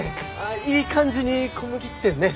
いい感じに小麦ってんねぇ。